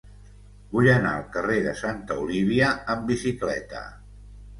Vull anar al carrer de Santa Olívia amb bicicleta.